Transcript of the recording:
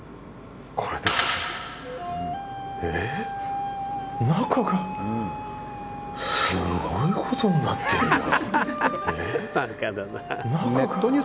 え中がすごいことになってるよ。